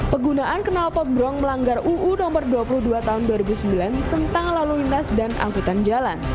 penggunaan kenalpot bronk melanggar uu nomor dua puluh dua tahun dua ribu sembilan tentang lalu lintas dan angkutan jalan